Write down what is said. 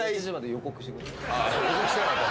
予告してなかった。